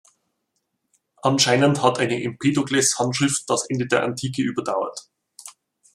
Anscheinend hat eine Empedokles-Handschrift das Ende der Antike überdauert.